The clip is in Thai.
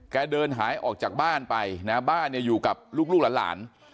เดินหายออกจากบ้านไปนะบ้านเนี่ยอยู่กับลูกหลาน